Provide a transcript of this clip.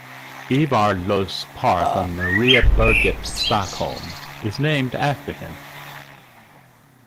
Ivar Los park on Mariaberget, Stockholm is named after him.